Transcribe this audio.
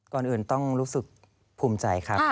ก่อนอื่นต้องรู้สึกภูมิใจครับ